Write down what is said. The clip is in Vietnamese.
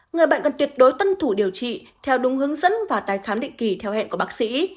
người bệnh cần tuyệt đối tuân thủ điều trị theo đúng hướng dẫn và tái khám định kỳ theo hẹn của bác sĩ